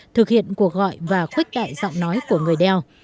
thực hiện cuộc gọi và khuếch đại giọng nói của người đeo